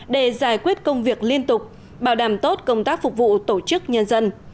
để giải quyết công việc liên tục bảo đảm tốt công tác phục vụ tổ chức nhân dân